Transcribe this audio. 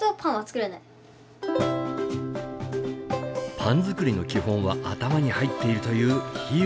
パン作りの基本は頭に入っているという陽友君。